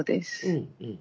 うんうん。